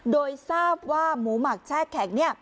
โดยทราบว่าหมูหมักแช่แข็ง